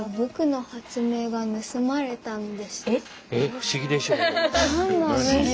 不思議でしょう。